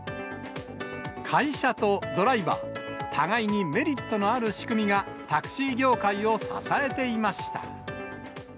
会社とドライバー、互いにメリットのある仕組みがタクシー業界を支えていました。